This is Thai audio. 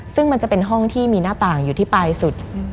ซึ่งมันจะเป็นห้องที่มีหน้าต่างอยู่ที่ปลายสุด